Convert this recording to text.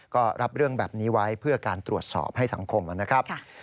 ก็รับเรื่องแบบนี้ไว้เพื่อการตรวจสอบให้สังคมนะครับ